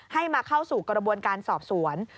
ให้มาเข้าสู่กระบวนการสอบสวน